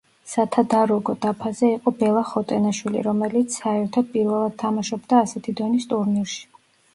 სათადაროგო დაფაზე იყო ბელა ხოტენაშვილი, რომელიც საერთოდ პირველად თამაშობდა ასეთი დონის ტურნირში.